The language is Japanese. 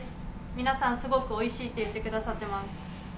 皆さん、すごくおいしいって言ってくださってます。